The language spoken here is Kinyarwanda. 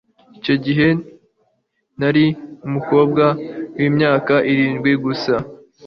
Icyo gihe nari umukobwa wimyaka irindwi gusa.